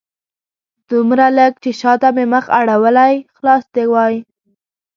دومره لږ چې شاته مې مخ اړولی خلاص دې وای